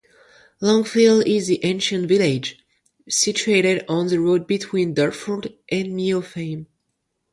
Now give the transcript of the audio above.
Longfield is the ancient village, situated on the road between Dartford and Meopham.